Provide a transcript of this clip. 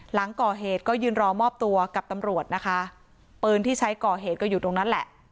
หลังก่อเหตุก็ยืนรอมอบตัวกับตำรวจนะคะปืนที่ใช้ก่อเหตุก็อยู่ตรงนั้นแหละ